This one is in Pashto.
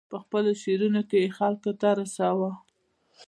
په خپلو شعرونو کې یې خلکو ته رساوه.